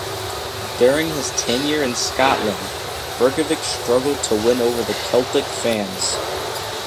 During his tenure in Scotland, Berkovic struggled to win over the Celtic fans.